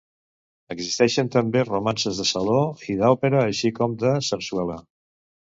Existeixen també romances de saló i d'òpera així com de sarsuela.